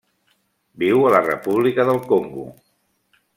Viu a la República del Congo.